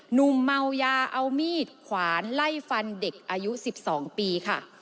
หนุ่มเมายาเอามีดขวานไล่ฟันเด็กอายุ๑๒ปีค่ะ